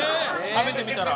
食べてみたら？